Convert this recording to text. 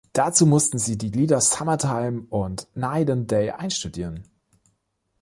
Dazu musste sie die Lieder Summertime und Night and Day einstudieren.